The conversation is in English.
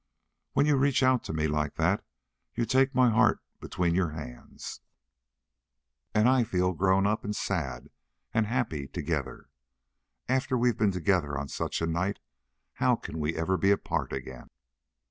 "When you reach out to me like that, you take my heart between your hands." "And I feel grown up and sad and happy both together. After we've been together on such a night, how can we ever be apart again?"